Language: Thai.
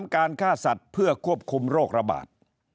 การฆ่าสัตว์เพื่อควบคุมโรคระบาด